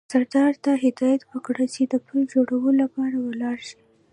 سردار ته هدایت وکړ چې د پل جوړولو لپاره ولاړ شي.